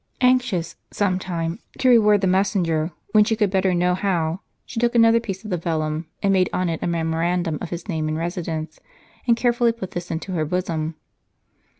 Anxious, some time, to reward the messenger, when she could better know how, she took another piece of the vellum, and made on it a memoran dum of his name and residence, and carefully put this into her bosom.